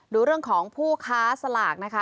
ดูเรื่องของผู้ค้าสลากนะคะ